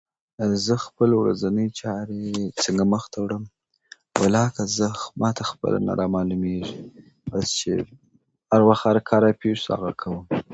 زه خپلې ورځنی چارې څنکه مخ ته وړم ولاکه زه ماته خپله رامعلومیږی بس چې هر وخت هر کار را پیش شي هغه کار کوم